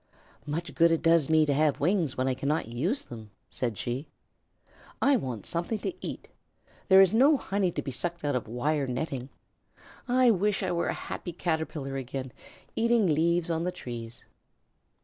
"Much good it does me to have wings when I cannot use them," said she. "I want something to eat. There is no honey to be sucked out of wire netting. I wish I were a happy Caterpillar again, eating leaves on the trees."